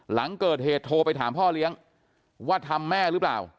หลังเกิดเหตุโทรไปถามพ่อเลี้ยงว่าทำแม่หรือเปล่า